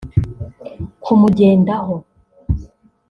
kumugendaho